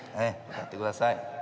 歌ってください。